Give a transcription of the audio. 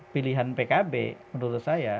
pilihan pkb menurut saya